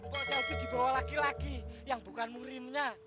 pak selby dibawa laki laki yang bukan murimnya